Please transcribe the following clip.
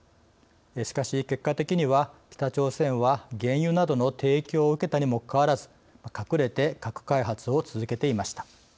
しかし結果的には北朝鮮は原油などの提供を受けたにもかかわらず隠れて核開発を続けていました。